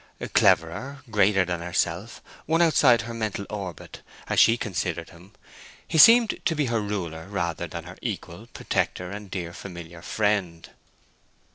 Cleverer, greater than herself, one outside her mental orbit, as she considered him, he seemed to be her ruler rather than her equal, protector, and dear familiar friend.